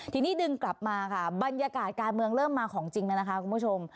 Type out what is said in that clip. ทีนี้ดึงกลับมาค่ะบรรยากาศการเมืองเริ่มมาของจริงแล้วนะคะคุณผู้ชม